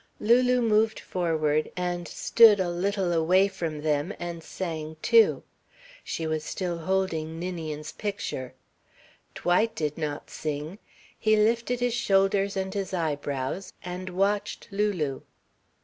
Lulu moved forward, and stood a little away from them, and sang, too. She was still holding Ninian's picture. Dwight did not sing. He lifted his shoulders and his eyebrows and watched Lulu.